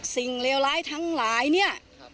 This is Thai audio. สิ่งเลวร้ายทั้งหลายนี่